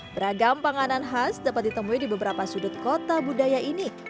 beragam panganan khas dapat ditemui di beberapa sudut kota budaya ini